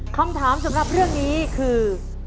คำถามสำหรับเรื่องนี้คือ